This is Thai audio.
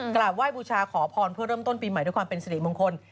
กราบไหว้บูชาขอพรเพื่อเริ่มต้นปีใหม่ด้วยความเป็นสิริมงคล